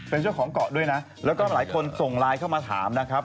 เป็นเจ้าของเกาะด้วยนะแล้วก็หลายคนส่งไลน์เข้ามาถามนะครับ